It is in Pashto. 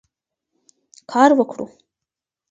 کار وکړو.